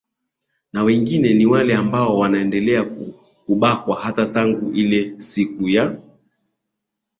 na wengi ni wale ambao wanaendelea kubakwa hata tangu ile siku ya ya